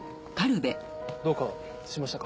どうかしましたか？